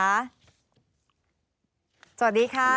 สวัสดีค่ะ